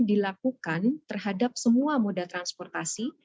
dilakukan terhadap semua moda transportasi